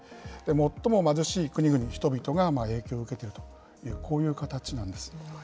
最も貧しい国々の人々が影響を受けているという、こういう形なんです。